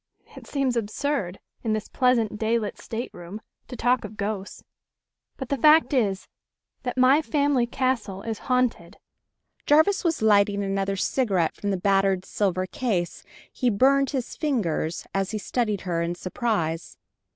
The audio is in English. It seems absurd in this pleasant day lit stateroom to talk of ghosts. But the fact is that my family castle is haunted." Jarvis was lighting another cigarette from the battered silver case; he burned his fingers, as he studied her, in surprise.